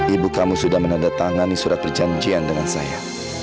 ibu kamu sudah menandatangani surat perjanjian dengan saya